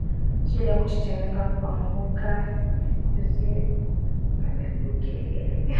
shida kutetemeka kuanguka kuzirai na kupigapiga miguu degedege kama mtu wa kifafa damu kutoka